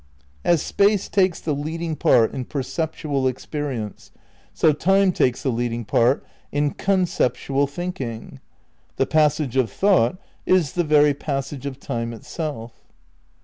As space takes the leading part in percep tual experience, so time takes the leading part in con ceptual thinking. The passage of thought is the very passage of time itself.